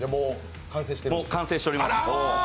もう完成しております。